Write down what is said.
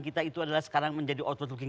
kita itu adalah sekarang menjadi